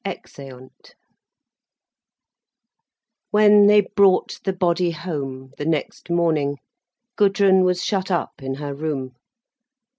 EXEUNT When they brought the body home, the next morning, Gudrun was shut up in her room.